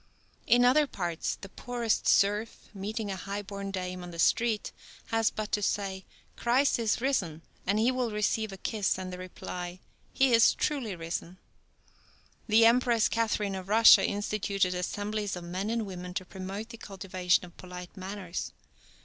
In other parts, the poorest serf, meeting a high born dame on the street, has but to say, "Christ is risen," and he will receive a kiss and the reply, "He is truly risen." The Empress Catherine of Russia instituted assemblies of men and women to promote the cultivation of polite manners.